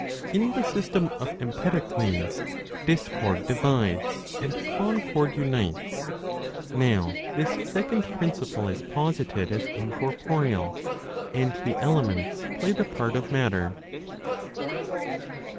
In the system of Empedocles, discord divides, and concord unites; now this second principle is posited as incorporeal, and the elements play the part of matter.